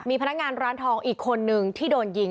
พนักงานร้านทองอีกคนนึงที่โดนยิง